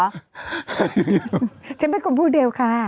ไม่รู้ฉันไม่ควรพูดเด็กค่ะ